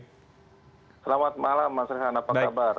selamat malam mas renhan apa kabar